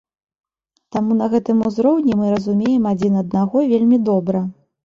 Таму на гэтым узроўні мы разумеем адзін аднаго вельмі добра.